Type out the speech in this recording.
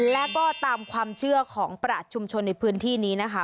และก็ตามความเชื่อของประหลัดชุมชนในพื้นที่นี้นะคะ